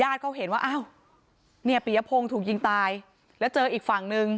อ้าวเนี่ยเปรียพงษ์ถูกยิงตายแล้วเจออีกฝั่งหนึ่ง